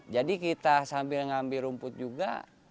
jadi kita sambil ngambil rumput juga